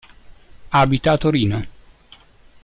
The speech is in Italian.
Abita a Torino.